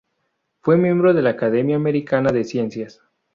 Fue miembro de la Academia Americana de Ciencias.